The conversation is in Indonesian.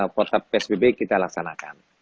protap psbb kita laksanakan